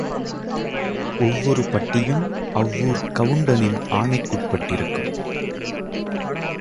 ஒவ்வொரு பட்டியும், அவ்வூர்க் கவுண்டனின் ஆணைக்குட்பட்டிருக்கும்.